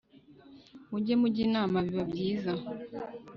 Mujye mujya inama biba byiza